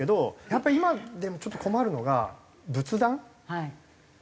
やっぱり今でもちょっと困るのが。